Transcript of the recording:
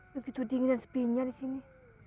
begitu dingin sepinya di sini